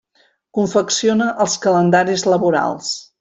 Confecciona els calendaris laborals.